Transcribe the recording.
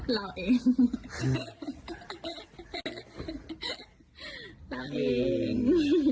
เราเอง